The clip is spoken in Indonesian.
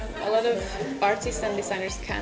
mereka juga mendukung pelaku seni dan desain